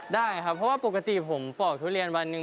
ได้ครับเพราะว่าปกติผมปอกทุเรียนวันหนึ่ง